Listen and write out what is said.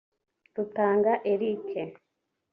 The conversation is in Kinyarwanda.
Rutanga Eric